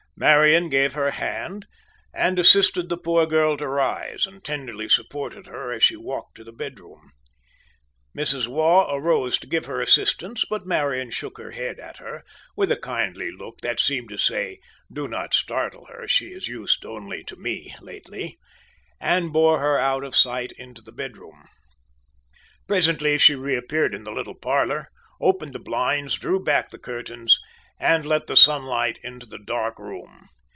Marian gave her hand, and assisted the poor girl to rise, and tenderly supported her as she walked to the bedroom. Mrs. Waugh arose to give her assistance, but Marian shook her head at her, with a kindly look, that seemed to say, "Do not startle her she is used only to me lately," and bore her out of sight into the bedroom. Presently she reappeared in the little parlor, opened the blinds, drew back the curtains, and let the sunlight into the dark room.